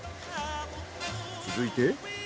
続いて。